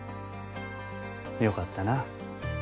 よかったなぁ。